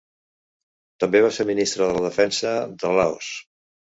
També va ser Ministre de la Defensa de Laos.